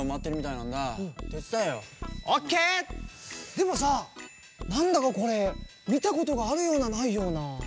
でもさあなんだかこれみたことがあるようなないような。